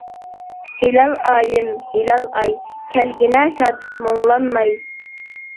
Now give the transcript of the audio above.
ھىلال ئايىم ھىلال ئاي، كەلگىنە شاد، مۇڭلانماي.